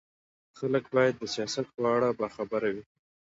خلک باید د سیاست په اړه باخبره وي